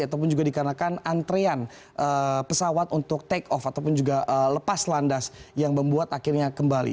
ataupun juga dikarenakan antrean pesawat untuk take off ataupun juga lepas landas yang membuat akhirnya kembali